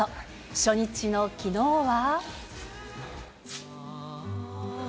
初日のきのうは。